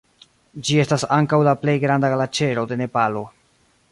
Ĝi estas ankaŭ la plej granda glaĉero de Nepalo.